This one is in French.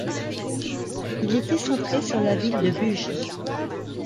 Il était centré sur la ville de Bhuj.